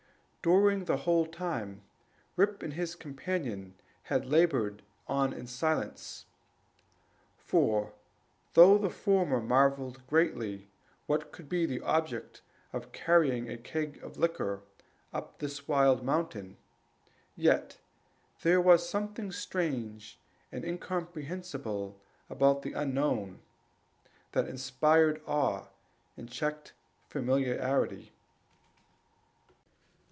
During the whole time Rip and his companion had labored on in silence; for though the former marvelled greatly what could be the object of carrying a keg of liquor up this wild mountain, yet there was something strange and incomprehensible about the unknown, that inspired awe and checked familiarity.